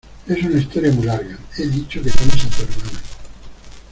es una historia muy larga. he dicho que llames a tu hermana .